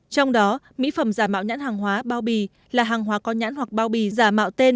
trong đó mỹ phẩm giả mạo nhãn hàng hóa bao bì là hàng hóa có nhãn hoặc bao bì giả mạo tên